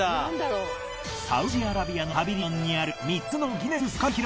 サウジアラビアのパビリオンにある３つのギネス世界記録！